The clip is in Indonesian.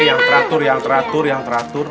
yang teratur yang teratur yang teratur